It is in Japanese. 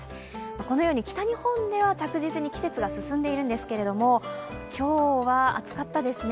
このように北日本では着実に季節が進んでいるんですが今日は暑かったですね。